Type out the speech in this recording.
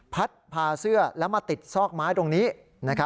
พัดพาเสื้อแล้วมาติดซอกไม้ตรงนี้